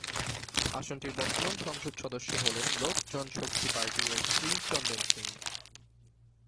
আসনটির বর্তমান সংসদ সদস্য হলেন লোক জন শক্তি পার্টি-এর শ্রী চন্দন সিং।